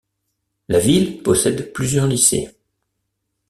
La ville possède plusieurs lycées.